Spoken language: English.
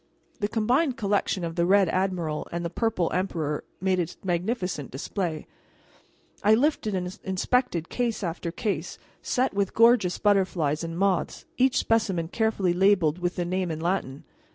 The combined collection of the Red Admiral and the Purple Emperor made a magnificent display. I lifted and inspected case after case set with gorgeous butterflies and moths, each specimen carefully labelled with the name in Latin.